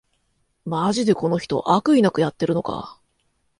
マジでこの人、悪意なくやってるのか